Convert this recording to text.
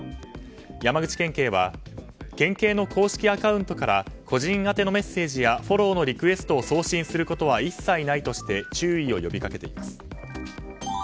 山口県警は県警の公式アカウントから個人宛てのメッセージやフォローのリクエストを送信することは一切ないとして注意を呼び掛けています。